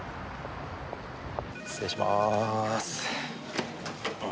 失礼します。